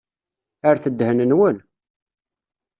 Rret ddhen-nwen!